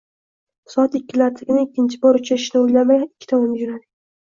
Soat ikkilardagina ikkinchi bor uchrashishni o’ylamay ikki tomonga jo’nadik.